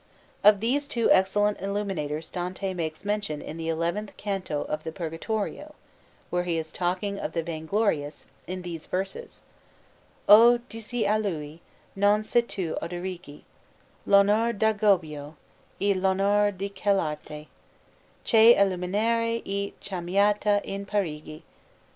Of these two excellent illuminators Dante makes mention in the eleventh canto of the Purgatorio, where he is talking of the vainglorious, in these verses: O, dissi a lui, non se' tu Oderigi, L'onor d'Agobbio, e l'onor di quell'arte Che alluminare è chiamata in Parigi?